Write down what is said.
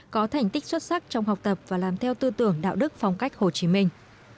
có thành tích xuất sắc trong học tập và làm theo tư tưởng đạo đức phong cách hồ chí minh